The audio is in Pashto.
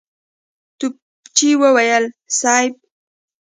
توپچي وويل: صېب!